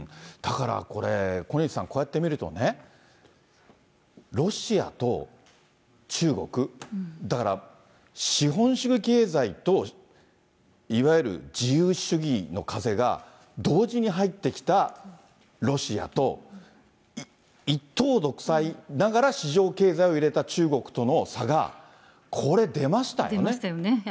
だからこれ、小西さん、こうやって見るとね、ロシアと中国、だから資本主義経済といわゆる自由主義の風が同時に入ってきたロシアと、一党独裁ながら市場経済を入れた中国との差が、これ、出ましたよ出ましたよね。